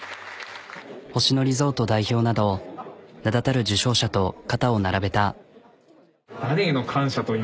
星野リゾート代表など名だたる受賞者と肩を並べた。